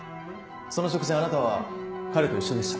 その直前あなたは彼と一緒でしたね。